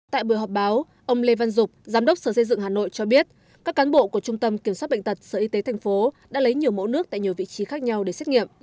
tại buổi họp báo ông lê văn dục giám đốc sở xây dựng hà nội cho biết các cán bộ của trung tâm kiểm soát bệnh tật sở y tế tp đã lấy nhiều mẫu nước tại nhiều vị trí khác nhau để xét nghiệm